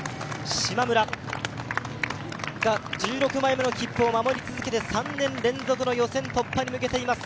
しまむらが１６枚目の切符を守り続けて３年連続の予選突破に向けています。